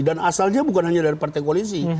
dan asalnya bukan hanya dari partai koalisi